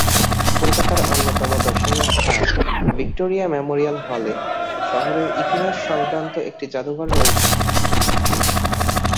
কলকাতার অন্যতম দর্শনীয় স্থান ভিক্টোরিয়া মেমোরিয়াল হলে শহরের ইতিহাস-সংক্রান্ত একটি জাদুঘর রয়েছে।